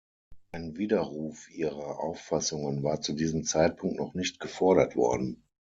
Ein Widerruf ihrer Auffassungen war zu diesem Zeitpunkt noch nicht gefordert worden.